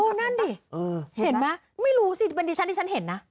โอ้นั่นดิเห็นมั้ยไม่รู้สิบรรดิชันที่ฉันเห็นนะ